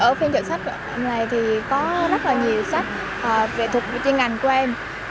ở phiên chợ sách này thì có rất là nhiều sách về thuộc về chuyên ngành của em